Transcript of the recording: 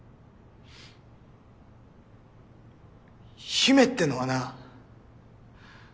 姫ってのはな。